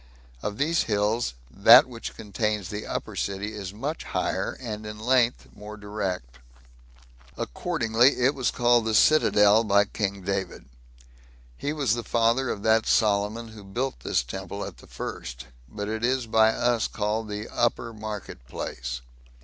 Of these hills, that which contains the upper city is much higher, and in length more direct. Accordingly, it was called the "Citadel," by king David; he was the father of that Solomon who built this temple at the first; but it is by us called the "Upper Market place."